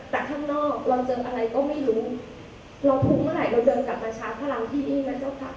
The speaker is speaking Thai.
แต่ข้างนอกเราเจออะไรก็ไม่รู้เราทุกข์เมื่อไหร่เราเดินกลับมาชาพลังที่นี่นะเจ้าค่ะ